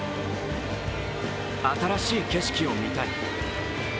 新しい景色を見たい。